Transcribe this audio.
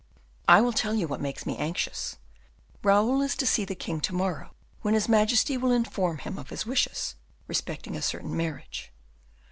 "I will tell you what makes me anxious; Raoul is to see the king to morrow, when his majesty will inform him of his wishes respecting a certain marriage.